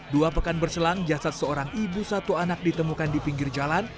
dua pekan berselang jasad seorang ibu satu anak ditemukan di pinggir jalan